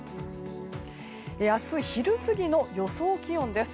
明日、昼過ぎの予想気温です。